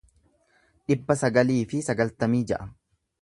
dhibba sagalii fi jaatamii ja'a